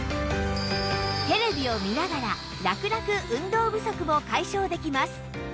テレビを見ながらラクラク運動不足を解消できます